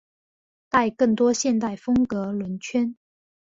带更多现代风格轮圈。